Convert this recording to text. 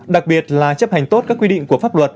đặc biệt là chấp hành tốt các quy định của pháp luật